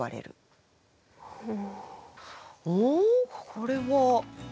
これは。